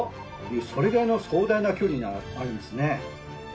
それぐらいの壮大な距離があるんですね。